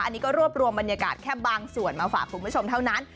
อันนี้ก็รวบรวมบรรยากาศแค่บางส่วนมาฝากคุณผู้ชมเท่านั้น